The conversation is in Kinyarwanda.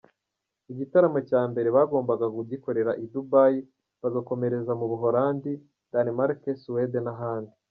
Igitaramo cya mbere bagombaga kugikorera i Dubai bagakomereza mu Buholandi, Danimarike, Suwede n’ahandi.